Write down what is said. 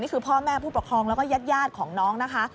นี่คือพ่อแม่ผู้ประคองแล้วก็ญาติของน้องนะคะ